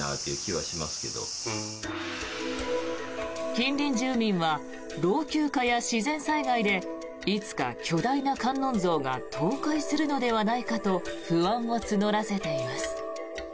近隣住民は老朽化や自然災害でいつか巨大な観音像が倒壊するのではないかと不安を募らせています。